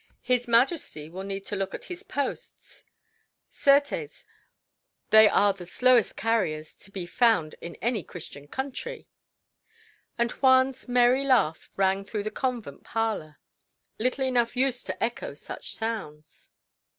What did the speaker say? His Majesty will need to look to his posts; certes, they are the slowest carriers to be found in any Christian country." And Juan's merry laugh rang through the convent parlour, little enough used to echo such sounds.